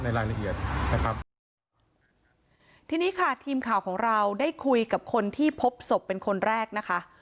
รายละเอียดนะครับทีนี้ค่ะทีมข่าวของเราได้คุยกับคนที่พบศพเป็นคนแรกนะคะ